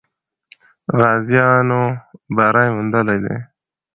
غازیانو بری موندلی دی.